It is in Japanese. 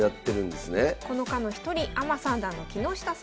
この課の一人アマ三段の木下さん。